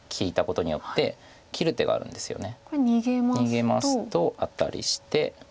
逃げますとアタリして。